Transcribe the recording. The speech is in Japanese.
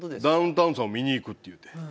ダウンタウンさんを見に行くって言うて。